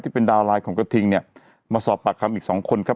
เป็นดาวนไลน์ของกระทิงเนี่ยมาสอบปากคำอีกสองคนครับ